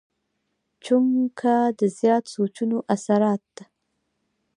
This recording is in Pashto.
چونکه د زيات سوچونو اثرات